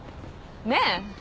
ねえ？